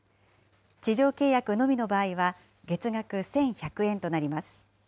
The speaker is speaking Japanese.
地上契約のみの場合は、月額１１００円となります。